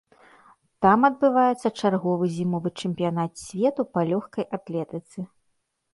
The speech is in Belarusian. Там адбываецца чарговы зімовы чэмпіянат свету па лёгкай атлетыцы.